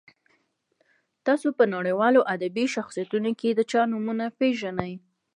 تاسو په نړیوالو ادبي شخصیتونو کې چا نومونه پیژنئ.